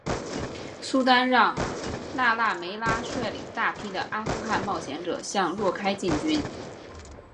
苏丹让那腊梅拉率领大批的阿富汗冒险者向若开进军。